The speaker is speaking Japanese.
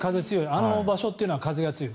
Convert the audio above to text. あの場所というのは風が強い。